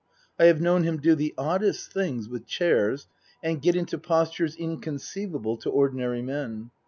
I have known him do the oddest things with chairs and get into postures inconceivable to ordinary men.